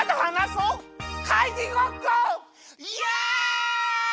イエイ！